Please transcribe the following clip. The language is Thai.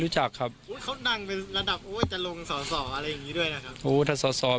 แล้วอันนี้ก็เปิดแล้ว